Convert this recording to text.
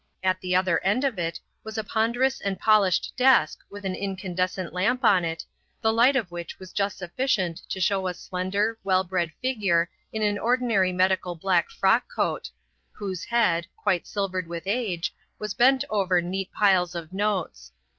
At the other end of it was a ponderous and polished desk with an incandescent lamp on it, the light of which was just sufficient to show a slender, well bred figure in an ordinary medical black frock coat, whose head, quite silvered with age, was bent over neat piles of notes.